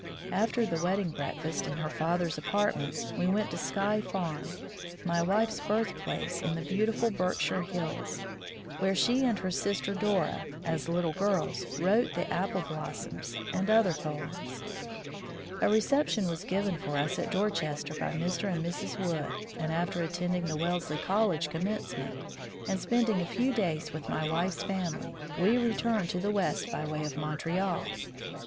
After the wedding breakfast in her father's apartments, we went to "Sky Farm," my wife's birth place in the beautiful Berkshire hills, where she and her sister Dora, as little girls, wrote the "Apple Blossoms" and other poems. A reception 126 From ihe Deep Woods to Ctviltzatum was given for us at Dorchester by Mr. and Mrs. Wood» and after attending the Wellesley Collie commencement, and spending a few days with my wife's family, we returned to the West by way of Montreal.